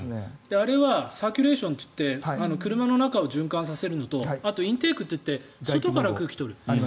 あれはサーキュレーションっていって車の中を循環させるのとあとインテークといって外から空気を取る。